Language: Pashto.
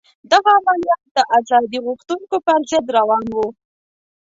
دغه عملیات د ازادي غوښتونکو پر ضد روان وو.